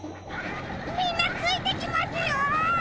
みんなついてきますよ！